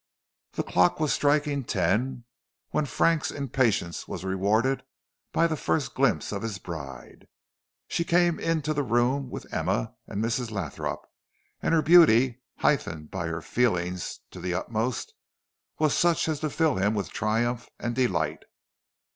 The clock was striking ten when Frank's impatience was rewarded by the first glimpse of his bride. She came into the room with Emma and Mrs. Lothrop, and her beauty, heightened by her feelings to the utmost, was such as to fill him with triumph and delight.